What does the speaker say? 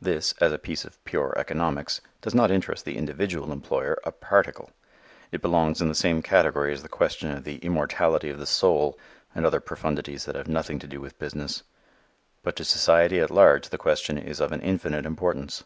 This, as a piece of pure economics, does not interest the individual employer a particle. It belongs in the same category as the question of the immortality of the soul and other profundities that have nothing to do with business. But to society at large the question is of an infinite importance.